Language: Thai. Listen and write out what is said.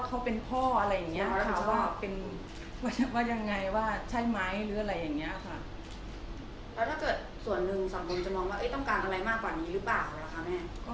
แล้วถ้าเกิดส่วนหนึ่งสังคมจะมองว่าต้องการอะไรมากกว่านี้หรือเปล่านะคะแม่